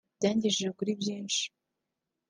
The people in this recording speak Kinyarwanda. Byangejeje kuri byinshi